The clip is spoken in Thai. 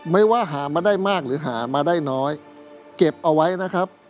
ไม่ว่าหามาได้มากหรือหามาได้น้อยเก็บเอาไว้นะครับ